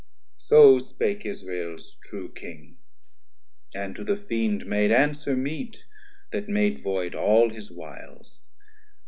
440 So spake Israel's true King, and to the Fiend Made answer meet, that made void all his wiles.